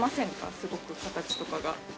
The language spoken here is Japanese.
すごく形とかが。